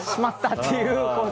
っていう。